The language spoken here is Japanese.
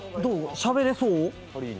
しゃべれそう？